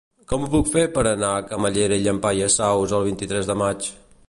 Com ho puc fer per anar a Camallera i Llampaies Saus el vint-i-tres de maig?